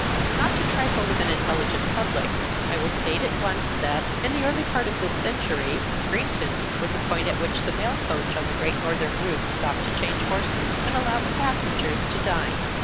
Not to trifle with an intelligent public, I will state at once that, in the early part of this century, Greenton was a point at which the mail coach on the Great Northern Route stopped to change horses and allow the passengers to dine.